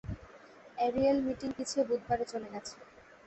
Ariel meeting পিছিয়ে বুধবারে চলে গেছে।